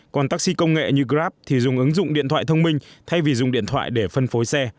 còn taxi công nghệ như grab thì dùng ứng dụng điện thoại thông minh thay vì dùng điện thoại để phân phối xe